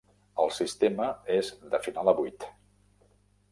El sistema és de final a vuit.